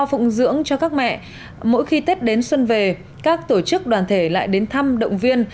phụng dưỡng cho các mẹ mỗi khi tết đến xuân về các tổ chức đoàn thể lại đến thăm động viên